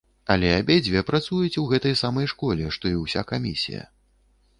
Але абедзве працуюць у гэтай самай школе, што і ўся камісія.